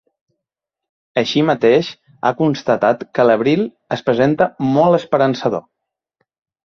Així mateix, ha constatat que l’abril es presenta “molt esperançador”.